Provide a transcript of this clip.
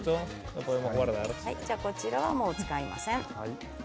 こちらは、もう使いません。